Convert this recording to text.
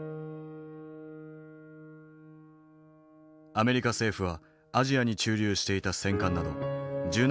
アメリカ政府はアジアに駐留していた戦艦など１７隻を日本に派遣。